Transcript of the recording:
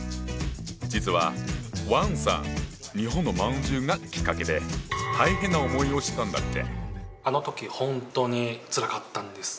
実は王さん日本の饅頭がきっかけで大変な思いをしたんだって！